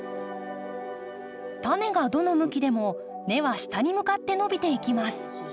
タネがどの向きでも根は下に向かって伸びていきます。